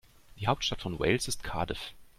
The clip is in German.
Die Hauptstadt von Wales ist Cardiff.